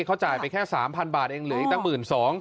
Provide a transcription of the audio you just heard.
เขาจ่ายไปแค่๓๐๐๐บาทเองเหลืออีกแต่๑๒๐๐๐